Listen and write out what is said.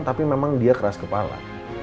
tapi memang dia keras kepala